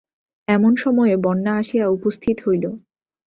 এমন সময়ে বন্যা আসিয়া উপস্থিত হইল।